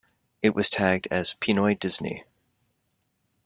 It was tagged as Pinoy Disney.